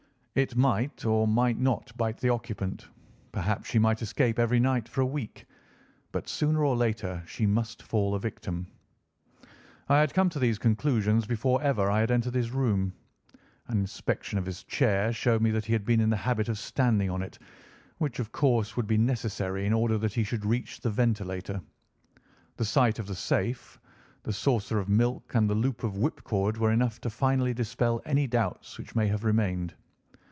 It might or might not bite the occupant, perhaps she might escape every night for a week, but sooner or later she must fall a victim. "I had come to these conclusions before ever I had entered his room. An inspection of his chair showed me that he had been in the habit of standing on it, which of course would be necessary in order that he should reach the ventilator. The sight of the safe, the saucer of milk, and the loop of whipcord were enough to finally dispel any doubts which may have remained.